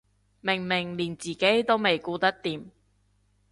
明明連自己都未顧得掂